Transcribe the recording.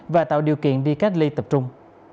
và tạo điều kiện đi cách ly tập trung